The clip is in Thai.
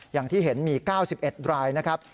อย่างที่เห็นมี๙๑รายนะครับ